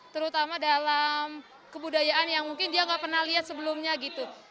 terutama dalam kebudayaan yang mungkin dia nggak pernah lihat sebelumnya gitu